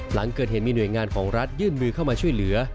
หลังเกิดเหตุมีหน่วยงานของรัฐยื่นมือเข้ามาช่วยเหลือ